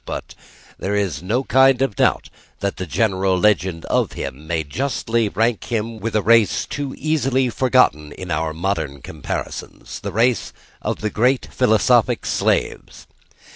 But there is no kind of doubt that the general legend of him may justly rank him with a race too easily forgotten in our modern comparisons: the race of the great philosophic slaves.